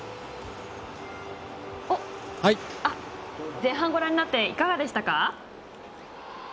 前半、ご覧になっていかがでしたか？